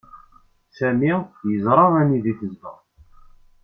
Sami yeẓra anda i tezdeɣ.